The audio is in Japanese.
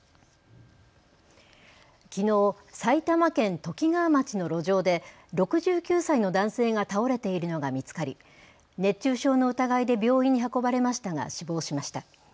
きのう埼玉県ときがわ町の路上で６９歳の男性が倒れているのが見つかり熱中症の疑いで病院に運ばれましたが死亡しました。